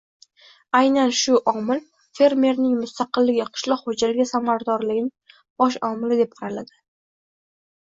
Va aynan shu omil — fermerning mustaqilligi qishloq xo‘jaligi samaradorligining bosh omili deb qaraladi